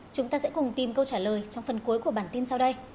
cô trả lời trong phần cuối của bản tin sau đây